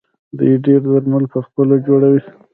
دوی ډیری درمل پخپله جوړوي.